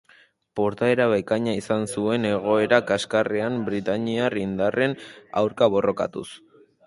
Portaera bikaina izan zuen, egoera kaskarrean britainiar indarren aurka borrokatuz.